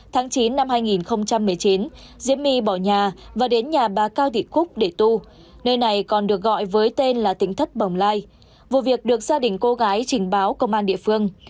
tháng chín năm hai nghìn một mươi chín diễm my bỏ nhà và đến nhà bà cao thị cúc để tu nơi này còn được gọi với tên là tỉnh thất bồng lai vụ việc được gia đình cô gái trình báo công an địa phương